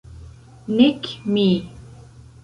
Nek mi.